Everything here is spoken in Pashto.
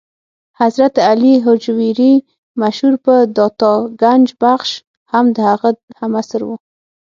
حضرت علي هجویري مشهور په داتا ګنج بخش هم د هغه هم عصر و.